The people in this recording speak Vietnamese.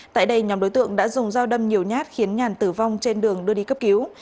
tại đây nhóm đối tượng đã dùng dao đâm nhiều nhát khiến nhàn tử vong trên đường đưa đi cấp cứu